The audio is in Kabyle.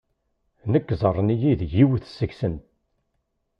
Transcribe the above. Nekk ẓerren-iyi d yiwet seg-sen.